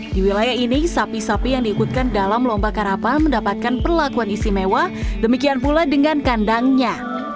di wilayah ini sapi sapi yang diikutkan dalam lomba karapan mendapatkan perlakuan istimewa demikian pula dengan kandangnya